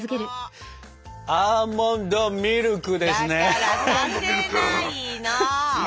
だからさせないの！